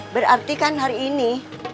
berarti kan hari ini